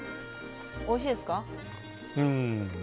おいしいですか？